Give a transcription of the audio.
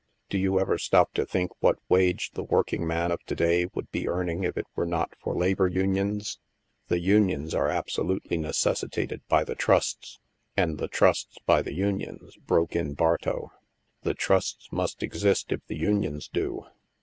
Do you ever stop to think what wage the working man of to day would be earning if it were not for labor unions? The unions are absolutely necessitated by the trusts." '' And the trusts by the unions," broke in Bartow. "The trusts must exist if the unions do.